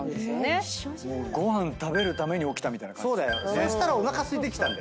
そしたらおなかすいてきたんだ。